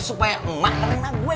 supaya emak kata emak gue